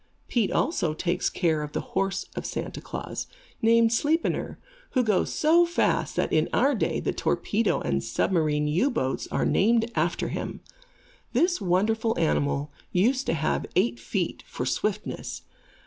Pete also takes care of the horse of Santa Klaas, named Sleipnir, which goes so fast that, in our day, the torpedo and submarine U boats are named after him. This wonderful animal used to have eight feet, for swiftness.